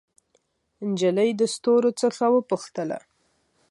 نجلۍ د ستورو څخه وپوښتله